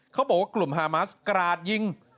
เขาบอกว่ากลุ่มฮามัสกราดยิง